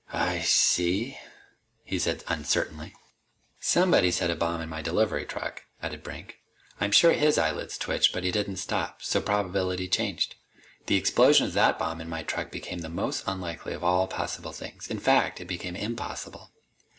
"I see," he said uncertainly. "Somebody set a bomb in my delivery truck," added Brink. "I'm sure his eyelids twitched, but he didn't stop. So probability changed. The explosion of that bomb in my truck became the most unlikely of all possible things. In fact, it became impossible.